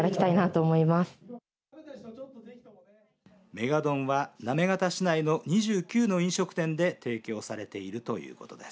ｍａｇａｄｏｎは行方市内の２９の飲食店で提供されているということです。